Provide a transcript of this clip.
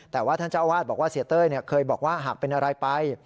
แต่ว่าท่านเจ้าอาวาสบอกว่าเสียเต้ยเคยบอกว่าหากเป็นอะไรไป